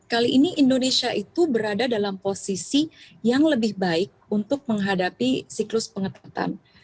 kali ini indonesia itu berada dalam posisi yang lebih baik untuk menghadapi siklus pengetatan